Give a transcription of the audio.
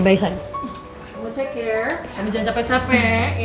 jangan capek capek ya